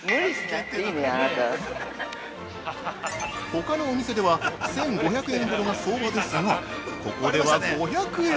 ◆ほかのお店では１５００円ほどが相場ですが、ここでは５００円。